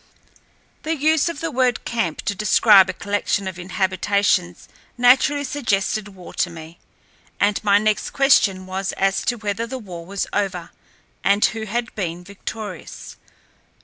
The use of the word camp to describe a collection of habitations naturally suggested war to me, and my next question was as to whether the war was over, and who had been victorious.